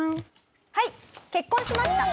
はい結婚しました！